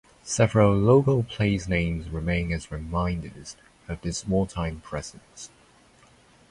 Several local place names remain as reminders of this wartime presence.